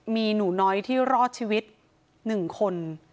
มีหนูน้อยที่รอดชีวิต๑คน